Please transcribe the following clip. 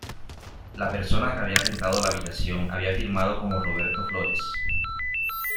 La persona que había rentado la habitación había firmado como ""Roberto Flores"".